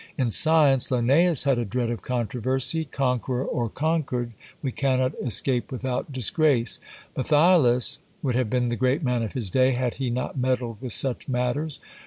In science, Linnæus had a dread of controversy conqueror or conquered we cannot escape without disgrace! Mathiolus would have been the great man of his day, had he not meddled with such matters.